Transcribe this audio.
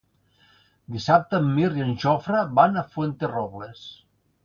Dissabte en Mirt i en Jofre van a Fuenterrobles.